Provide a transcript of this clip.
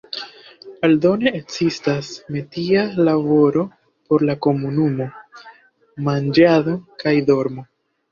Aldone ekzistas metia laboro por la komunumo, manĝado kaj dormo.